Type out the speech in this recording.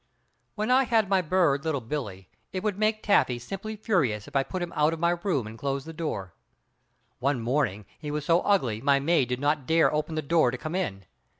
When I had my bird, Little Billie, it would make Taffy simply furious if I put him out of my room and closed the door. One morning he was so ugly my maid did not dare open the door to come in.